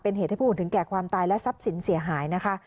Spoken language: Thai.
เป็นเหตุให้ผู้อื่นถึงแก่ความตายและทรัพย์สินเสียหายนะคะ